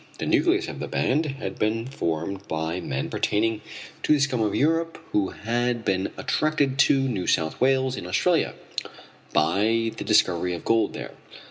The nucleus of the band had been formed by men pertaining to the scum of Europe who had been attracted to New South Wales, in Australia, by the discovery of gold there.